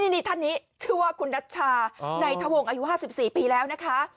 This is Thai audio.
นี่ท่านนี้ชื่อว่าคุณนัชชาในทะวงอายุ๕๔ปีแล้วนะคะ